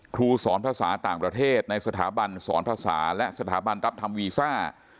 ครูสอนภาษาต่างประเทศในสถาบันสอนภาษาและสถาบันรับทำวีซ่า